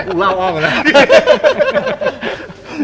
กูเล่าอ้อมกันแล้ว